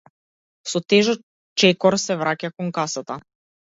Со тежок чекор се враќа кон касата.